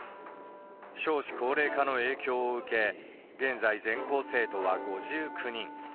少子高齢化の影響を受け、現在、全校生徒は５９人。